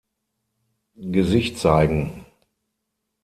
Gesicht Zeigen!